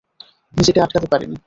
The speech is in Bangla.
নিজেকে আটকাতে পারিনি।